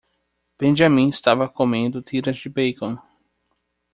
Benjamin estava comendo tiras de bacon.